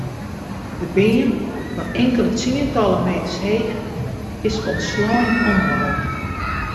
De beam fan inkelde tsientallen meters heech is folslein omwaaid.